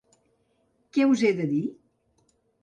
Què us he de dir?